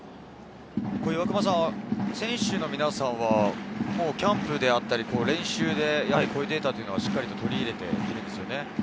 選手の皆さんは、キャンプであったり練習で、こういうデータはしっかり取り入れているんですよね。